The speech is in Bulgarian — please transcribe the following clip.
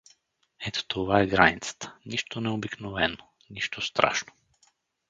Ето това е границата, нищо необикновено, нищо страшно.